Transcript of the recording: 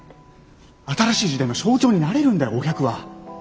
新しい時代の象徴になれるんだよお百は。